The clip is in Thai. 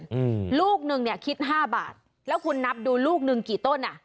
อืมลูกหนึ่งเนี้ยคิดห้าบาทแล้วคุณนับดูลูกหนึ่งกี่ต้นอ่ะ